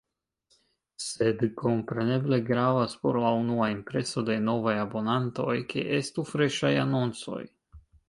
Sed kompreneble gravas por la unua impreso de novaj abonantoj, ke estu freŝaj anoncoj.